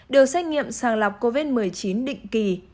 được xét nghiệm sàng lọc covid một mươi chín định kỳ